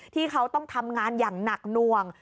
ที่เขาต้องทำงานอย่างหนักหน่วง